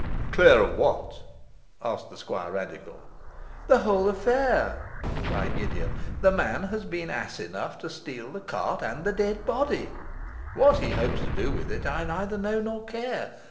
'Clear of what?' asked the Squirradical. 'The whole affair!' cried Gideon. 'That man has been ass enough to steal the cart and the dead body; what he hopes to do with it I neither know nor care.